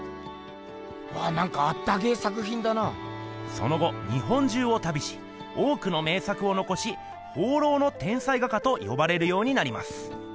その後日本中を旅し多くの名作をのこしとよばれるようになります。